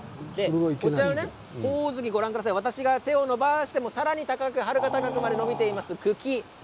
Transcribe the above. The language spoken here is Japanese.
ほおずき、私が手を伸ばしてもさらに高く、はるか高くまで伸びています、茎。